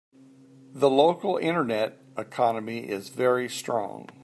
The local internet economy is very strong.